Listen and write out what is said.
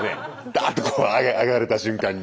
ダーッとこう上げられた瞬間に。